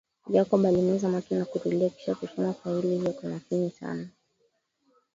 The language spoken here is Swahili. Jacob alimeza mate na kutulia kisha kusoma faili hilo kwa makini sana